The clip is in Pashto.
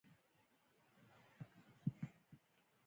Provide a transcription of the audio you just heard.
پنېر د ورځني خوراک برخه ده.